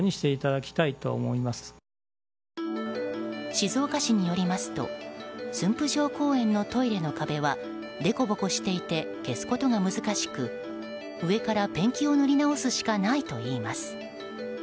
静岡市によりますと駿府城公園のトイレの落書きはでこぼこしていて消すことが難しく上からペンキを塗り直すしかないといいます。